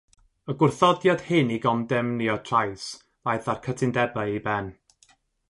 Y gwrthodiad hyn i gondemnio trais ddaeth â'r cytundebau i ben.